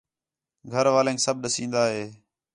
گھر والینک سب ݙسین٘داں ہِے